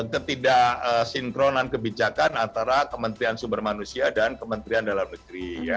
ketidaksinkronan kebijakan antara kementerian sumber manusia dan kementerian dalam negeri